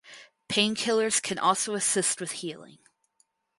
Painkillers can also assist with healing.